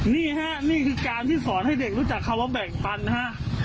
นี่ฮะนี่คือการที่สอนให้เด็กรู้จักคำว่าแบ่งปันนะฮะ